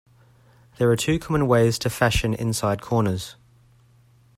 There are two common ways to fashion inside corners.